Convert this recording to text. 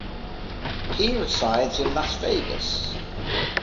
He resides in Las Vegas.